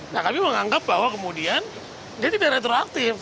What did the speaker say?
nah kami menganggap bahwa kemudian dia tidak retroaktif